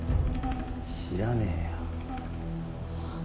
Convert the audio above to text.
知らねえよはあ？